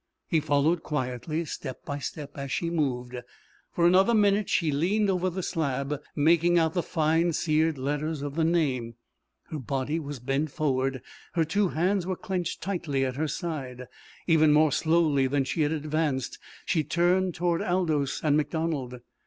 He followed, quietly, step by step as she moved. For another minute she leaned over the slab, making out the fine seared letters of the name. Her body was bent forward; her two hands were clenched tightly at her side. Even more slowly than she had advanced she turned toward Aldous and MacDonald.